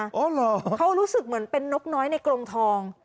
อ๋อเหรอเขารู้สึกเหมือนเป็นนกน้อยในกรงทอง